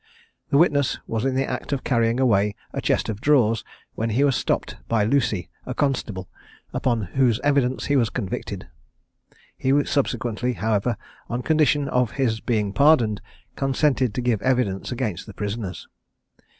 The witness was in the act of carrying away a chest of drawers when he was stopped by Lucie, a constable, upon whose evidence he was convicted. He subsequently, however, on condition of his being pardoned, consented to give evidence against the prisoners.